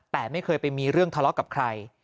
แต่ไม่เคยไปมีเรื่องทะเลาะกับใคร